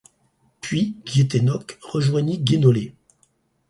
Puis Guéthénoc rejoignit Guénolé.